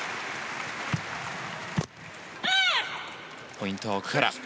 ポイントは奥原。